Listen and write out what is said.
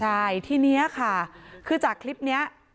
ใช่ทีนี้ค่ะคือจากคลิปนี้